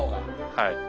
はい。